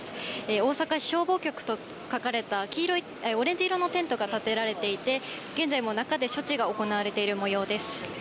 大阪市消防局と書かれたオレンジ色のテントが建てられていて、現在も中で処置が行われているもようです。